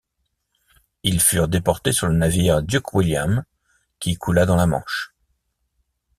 Ils furent déportés sur le navire Duke William, qui coulât dans la Manche.